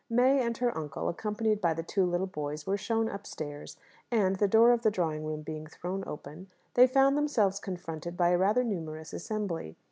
May and her uncle, accompanied by the two little boys, were shown upstairs, and, the door of the drawing room being thrown open, they found themselves confronted by a rather numerous assembly.